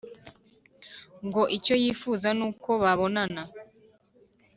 ngo icyo yifuzaga ni uko babonana